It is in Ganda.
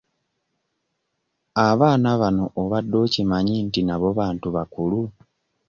Abaana bano obadde okimanyi nti nabo bantu bakulu?